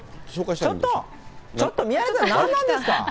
ちょっと、ちょっと宮根さん、何なんですか。